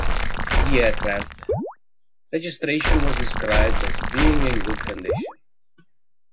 The aircraft, registration was described as being in good condition.